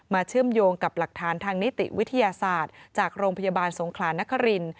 เชื่อมโยงกับหลักฐานทางนิติวิทยาศาสตร์จากโรงพยาบาลสงขลานคริน